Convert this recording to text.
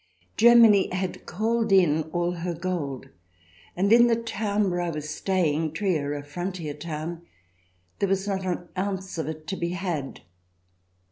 Germany had called in all her gold, and in the town where I was staying — Trier, a frontier town — there was not an ounce of it to be had.